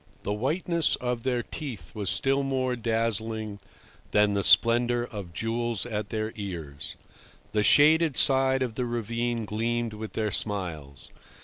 The whiteness of their teeth was still more dazzling than the splendour of jewels at their ears. The shaded side of the ravine gleamed with their smiles.